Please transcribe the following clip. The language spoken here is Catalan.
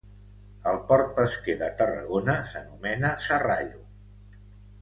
El port pesquer de Tarragona s'anomena Serrallo.